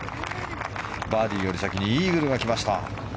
バーディーより先にイーグルが来ました。